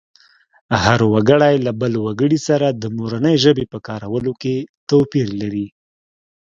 هر وګړی له بل وګړي سره د مورنۍ ژبې په کارولو کې توپیر لري